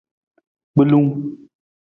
Gbelung.